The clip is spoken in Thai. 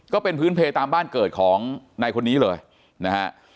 ก็เป็นพื้นเพตามบ้านเกิดของนายคนนี้เลยนะฮะ